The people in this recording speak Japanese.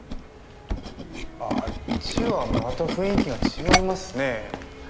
あああっちはまた雰囲気が違いますねえ。